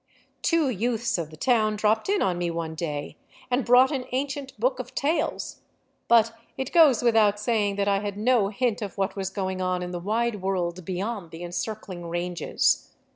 Two youths of the town dropped in on me one day and brought an ancient book of tales; but it goes without saying that I had no hint of what was going on in the wide world beyond the encircling ranges.